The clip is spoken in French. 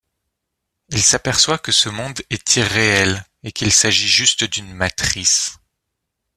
Il s'aperçoit que ce monde est irréel et qu'il s'agit juste d'une matrice.